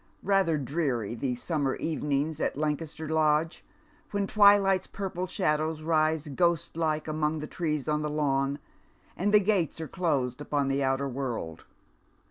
Rather dreary these Slimmer evenings at Lancaster Lodge, when twilight's purple shadows rise ghost like among the trees on the lawn, and the gates are closed upon the outer world.